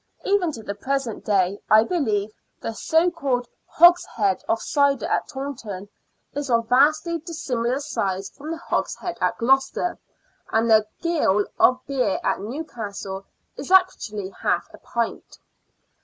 Even to the present day, I believe, the so called hogshead of cider at Taunton is of vastly dissimilar size from the hogshead at Gloucester, and the " gill " of beer at Newcastle is actually half a pint.